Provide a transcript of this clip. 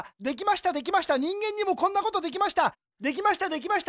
できましたできました人間にもこんなことできました